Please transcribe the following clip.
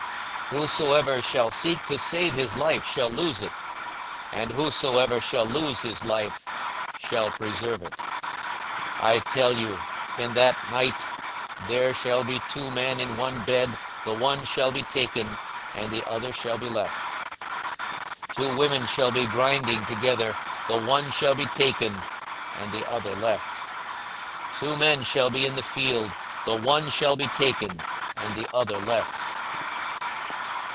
42:017:033 Whosoever shall seek to save his life shall lose it; and whosoever shall lose his life shall preserve it. 42:017:034 I tell you, in that night there shall be two men in one bed; the one shall be taken, and the other shall be left. 42:017:035 Two women shall be grinding together; the one shall be taken, and the other left. 42:017:036 Two men shall be in the field; the one shall be taken, and the other left.